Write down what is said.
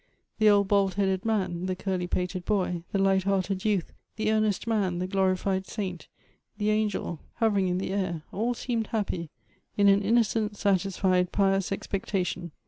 The old bald headed man, the curly pated boy, the light hearted youth, the earnest man, the glorified saint, the angel hovering in Elective Affinities. 163 the air, all seemed happy in an innocent, satisfied, pious expectation.